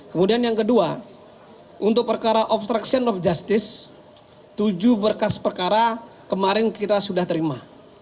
kemudian yang kedua untuk perkara obstruction of justice tujuh berkas perkara kemarin kita sudah terima